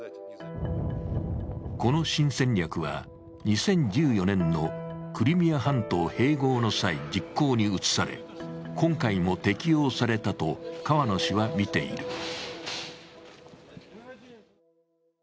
この新戦略は２０１４年のクリミア半島併合の際、実行に移され今回も適用されたと河野氏はみている。